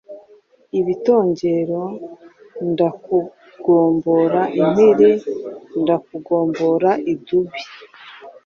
Ibitongero Ndakugombora impiri ,ndakugombora idubi,